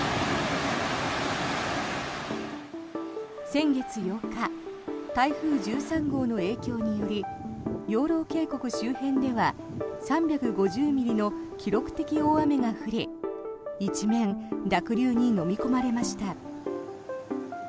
先月８日台風１３号の影響により養老渓谷周辺では３５０ミリの記録的大雨が降り一面、濁流にのみ込まれました。